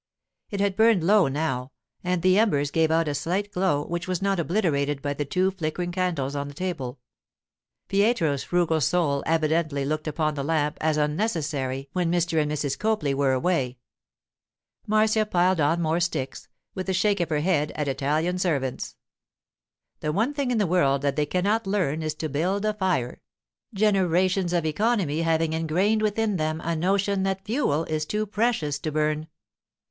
It had burned low now, and the embers gave out a slight glow which was not obliterated by the two flickering candles on the table—Pietro's frugal soul evidently looked upon the lamp as unnecessary when Mr. and Mrs. Copley were away. Marcia piled on more sticks, with a shake of her head at Italian servants. The one thing in the world that they cannot learn is to build a fire; generations of economy having ingrained within them a notion that fuel is too precious to burn.